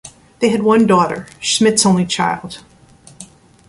They had one daughter, Schmidt's only child.